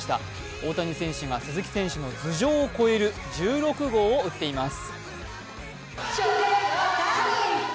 大谷選手が鈴木選手の頭上を越える１６号を打っています。